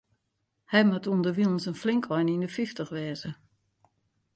Hy moat ûnderwilens in flink ein yn de fyftich wêze.